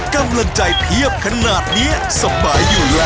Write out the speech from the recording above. กำลังใจเพียบขนาดนี้สบายอยู่แล้ว